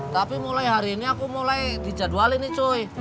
tapi mulai hari ini aku mulai di jadwal ini cuy